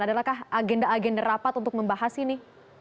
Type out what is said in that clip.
adakah agenda agenda rapat untuk membahas ini